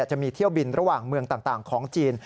จะมีเที่ยวบินระหว่างเมืองต่างของจีน